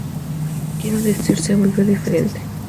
Quiero decir, se volvió diferente.